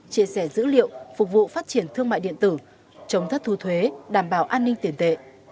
chia sẻ dữ liệu phục vụ phát triển thương mại điện tử chống thất thu thuế đảm bảo an ninh tiền tệ